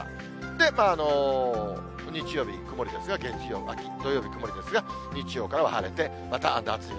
で、日曜日曇りですが、月曜、金、曇りですが、日曜からは晴れて、また夏日。